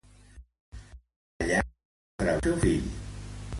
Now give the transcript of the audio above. Allà va treballar amb el seu fill Jerónimo de Castillo.